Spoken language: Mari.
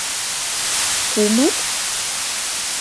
Кумыт?